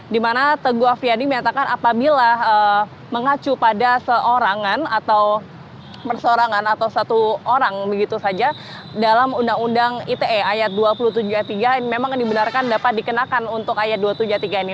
dimana teguh afiani menyatakan apabila mengacu pada seorangan atau persorangan atau satu orang begitu saja dalam undang undang ite ayat dua puluh tujuh ayat tiga memang dibenarkan dapat dikenakan untuk ayat dua ratus tujuh puluh tiga ini